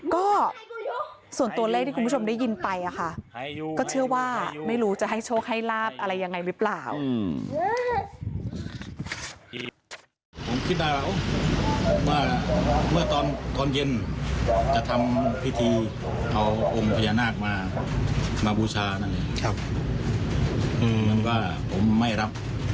ก็ส่วนตัวเลขที่คุณผู้ชมได้ยินไปอะค่ะก็เชื่อว่าไม่รู้จะให้โชคให้ลาบอะไรยังไงหรือเปล่า